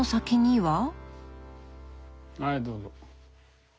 はいどうぞ。